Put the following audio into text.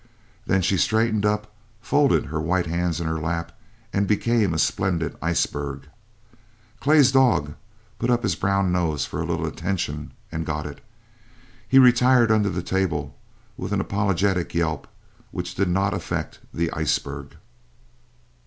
Then she straightened up, folded her white hands in her lap and became a splendid ice berg. Clay's dog put up his brown nose for a little attention, and got it. He retired under the table with an apologetic yelp, which did not affect the iceberg.